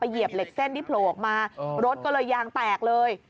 เหยียบเหล็กเส้นที่โผล่ออกมารถก็เลยยางแตกเลย